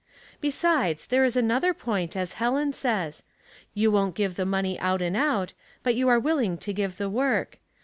Be sides, there is another, point, as Helen says. You won't give the money out and out, but }'0u are willing to give the work.